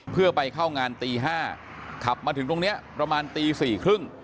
เพื่อไปเข้างานตีห้าขับมาถึงตรงเนี้ยประมาณตีสี่ครึ่ง